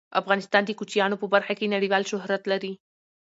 افغانستان د کوچیانو په برخه کې نړیوال شهرت لري.